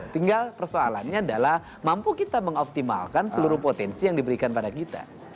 tinggal persoalannya adalah mampu kita mengoptimalkan seluruh potensi yang diberikan pada kita